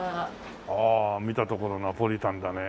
ああ見たところナポリタンだね。